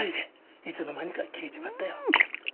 いつの間にか消えちまったよ。